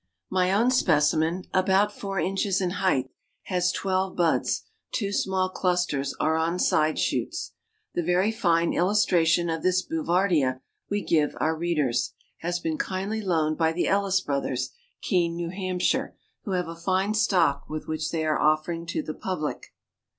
My own specimen, about four inches in height, has twelve buds; two small clusters are on side shoots. The very fine illustration of this Bouvardia we give our readers, has been kindly loaned by the Ellis Brothers, Keene, N. H., who have a fine stock which they are offering to the public.